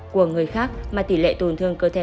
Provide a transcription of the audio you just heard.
của người khác mà tỷ lệ tổn thương cơ thể